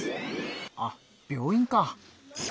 あっ病院か。